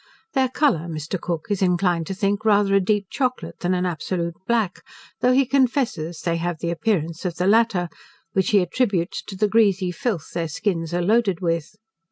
Their colour, Mr. Cook is inclined to think rather a deep chocolate, than an absolute black, though he confesses, they have the appearance of the latter, which he attributes to the greasy filth their skins are loaded with.